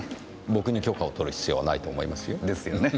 僕に許可を取る必要はないと思いますよ。ですよね。